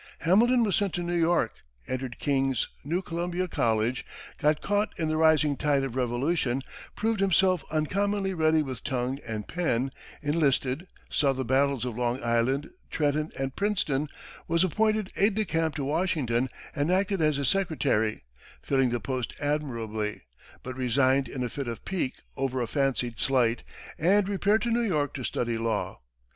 Hamilton was sent to New York, entered King's, now Columbia, College, got caught in the rising tide of Revolution, proved himself uncommonly ready with tongue and pen, enlisted, saw the battles of Long Island, Trenton, and Princeton, was appointed aide de camp to Washington and acted as his secretary, filling the post admirably, but resigned in a fit of pique over a fancied slight, and repaired to New York to study law.